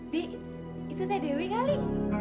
bi itu saya dewi kali